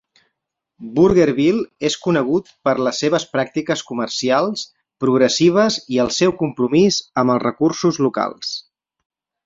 Burgerville és conegut per les seves pràctiques comercials progressives i el seu compromís amb els recursos locals.